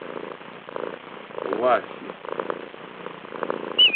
Wâsi᷅.